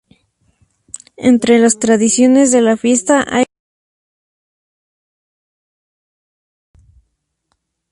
Entre las tradiciones de la fiesta hay muchas que se relacionan con la gastronomía.